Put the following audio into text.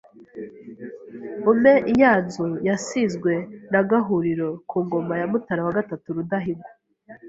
Umpe iyanzu yasizwe na Gahuriro ku ngoma ya Mutara III Rudahigwa